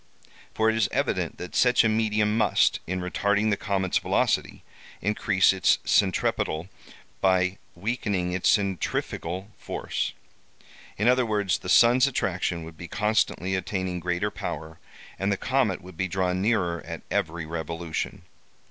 For it is evident that such a medium must, in retarding the comet's velocity, increase its centripetal, by weakening its centrifugal force. In other words, the sun's attraction would be constantly attaining greater power, and the comet would be drawn nearer at every revolution.